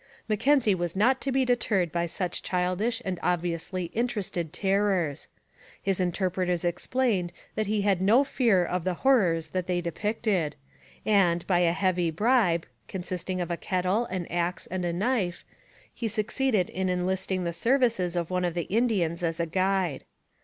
Mackenzie was not to be deterred by such childish and obviously interested terrors. His interpreters explained that he had no fear of the horrors that they depicted, and, by a heavy bribe, consisting of a kettle, an axe, and a knife, he succeeded in enlisting the services of one of the Indians as a guide.